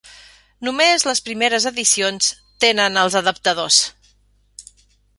Només les primeres edicions tenen els adaptadors.